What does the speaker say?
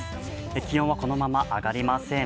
気温はこのまま上がりません。